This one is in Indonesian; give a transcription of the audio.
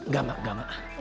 gak mak gak mak